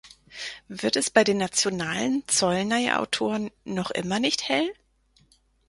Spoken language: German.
Wird es bei den nationalen Zsolnay-Autoren noch immer nicht hell?